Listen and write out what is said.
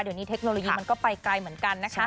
เดี๋ยวนี้เทคโนโลยีมันก็ไปไกลเหมือนกันนะคะ